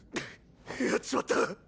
やっちまった。